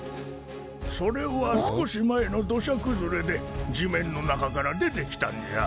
それは少し前のどしゃくずれで地面の中から出てきたんじゃ。